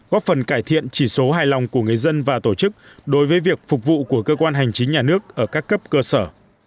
góp phần cải thiện chỉ số hài lòng của người dân và tổ chức đối với việc phục vụ của cơ quan hành chính nhà nước ở các cấp cơ sở